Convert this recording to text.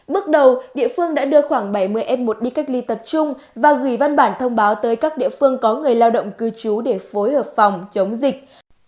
bước đầu địa phương đã đưa khoảng bảy mươi f một đi cách ly tập trung và gửi văn bản thông báo tới các địa phương có người lao động cư trú để phối hợp phòng chống dịch